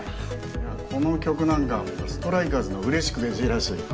いやこの曲なんかストライカーズの「嬉しくてジェラシー」